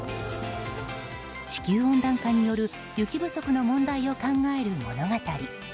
地球温暖化による雪不足について考える物語。